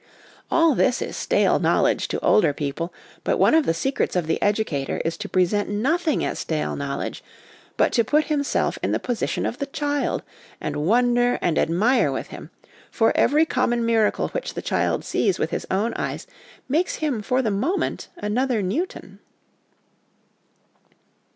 All this is stale knowledge to older people, but one of the secrets of the educator is to present nothing as stale knowledge, but to put himself in the position of the child, and wonder and admire with him ; for every common miracle which the child sees with his own eyes makes of him for the moment another Newton.